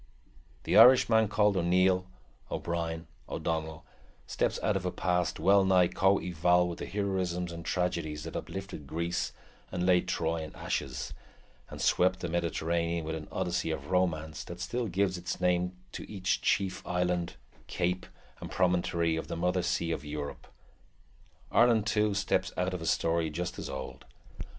The Irishman called O'Neill, O'Brien, O'Donnell, steps out of a past well nigh co eval with the heroisms and tragedies that uplifted Greece and laid Troy in ashes, and swept the Mediterranean with an Odyssey of romance that still gives its name to each chief island, cape, and promontory of the mother sea of Europe. Ireland, too, steps out of a story just as old.